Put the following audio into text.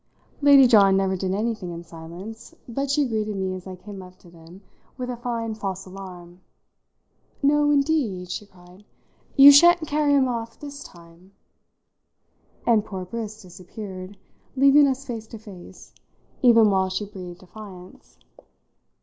Lady John never did anything in silence, but she greeted me as I came up to them with a fine false alarm. "No, indeed," she cried, "you shan't carry him off this time!" and poor Briss disappeared, leaving us face to face, even while she breathed defiance.